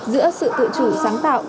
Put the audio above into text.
giữa sự tự chủ sáng tạo